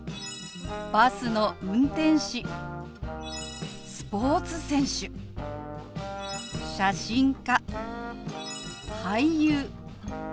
「バスの運転士」「スポーツ選手」「写真家」「俳優」